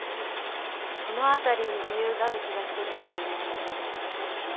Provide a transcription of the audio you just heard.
そのあたりに理由がある気がしてるんだよね。